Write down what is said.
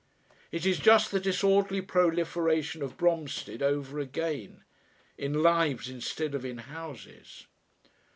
It is just the disorderly proliferation of Bromstead over again, in lives instead of in houses.